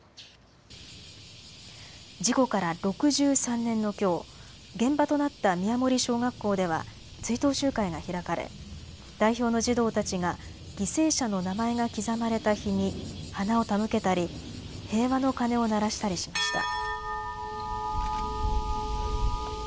事故から６３年のきょう、現場となった宮森小学校では追悼集会が開かれ代表の児童たちが犠牲者の名前が刻まれた碑に花を手向けたり平和の鐘を鳴らしたりしました。